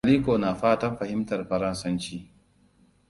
Aliko na fatan fahimtar faransanci.